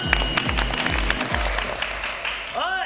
おい！